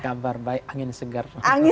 kabar baik angin segar